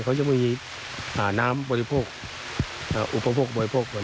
ก็จะมีน้ำบริโภคอุปพกษ์